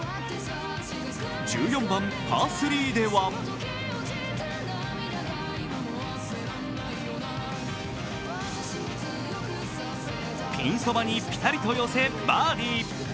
１４番パー３ではピンそばにピタリと寄せバーディー。